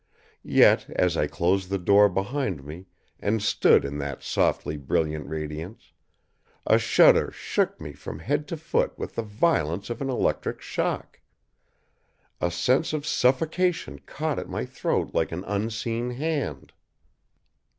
Yet, as I closed the door behind me and stood in that softly brilliant radiance, a shudder shook me from head to foot with the violence of an electric shock. A sense of suffocation caught at my throat like an unseen hand.